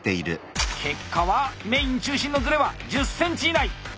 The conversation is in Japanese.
結果はメイン中心のズレは１０ｃｍ以内！